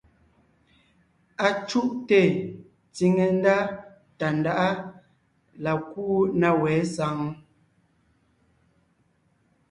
Acuʼte tsìŋe ndá Tàndáʼa la kúu na wɛ̌ saŋ ?